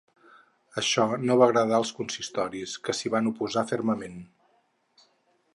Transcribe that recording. Això no va agradar als consistoris, que s’hi van oposar fermament.